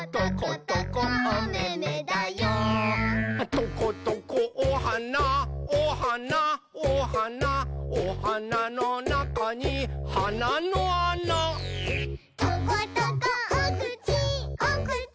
「トコトコおはなおはなおはなおはなのなかにはなのあな」「トコトコおくちおくち